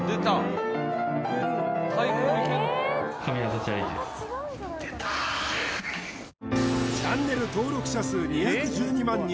そしてチャンネル登録者数２１２万人